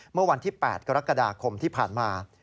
เมื่อวันที่๘กรกฎาคมที่ผ่านมา